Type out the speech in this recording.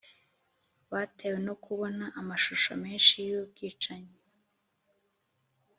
batewe no kubona amashusho menshi y'ubwicanyi